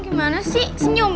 gimana sih senyum